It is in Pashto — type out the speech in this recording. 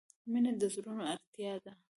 • مینه د زړونو ارتباط دی.